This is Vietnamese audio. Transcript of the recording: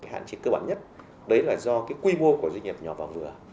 hạn chế cơ bản nhất đấy là do cái quy mô của doanh nghiệp nhỏ và vừa